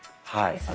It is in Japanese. はい。